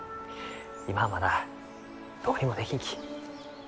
今はまだどうにもできんき。